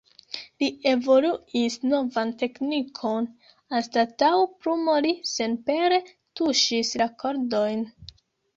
Li evoluis novan teknikon, anstataŭ plumo li senpere tuŝis la kordojn.